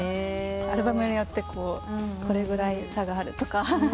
アルバムによってこれぐらい差があるとか。